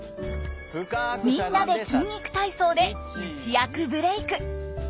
「みんなで筋肉体操」で一躍ブレーク。